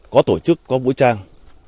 có tổ chức có vũ trang